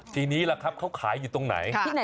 ทีนี้ล่ะครับเขาขายอยู่ตรงไหน